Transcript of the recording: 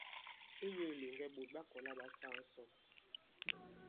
Inyū ilòŋgɛ, ɓòt ɓa kɔ̀la ɓa saa ǹsɔn.